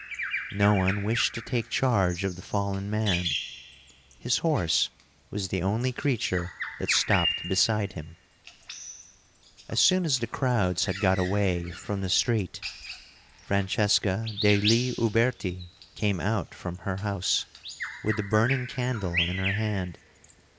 No one wished to take charge of the fallen man. His horse was the only creature that stopped beside him. As soon as the crowds had got away from the street, Francesca degli Uberti came out from her house, with the burning candle in her hand.